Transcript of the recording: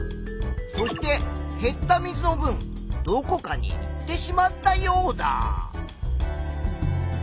そして減った水のぶんどこかにいってしまったヨウダ。